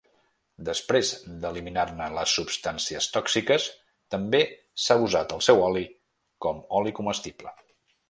Després d'eliminar-ne les substàncies tòxiques també s'ha usat el seu oli com oli comestible.